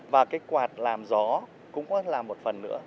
và cái quạt làm gió cũng có làm một phần nữa